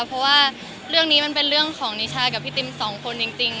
เพราะว่าเรื่องนี้มันเป็นเรื่องของนิชากับพี่ติมสองคนจริง